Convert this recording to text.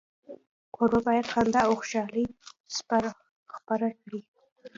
کوربه باید خندا او خوشالي خپره کړي.